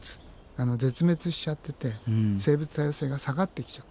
あの絶滅しちゃってて生物多様性が下がってきちゃってる。